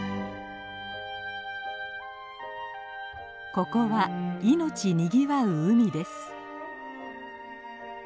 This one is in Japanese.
ここは命にぎわう海です。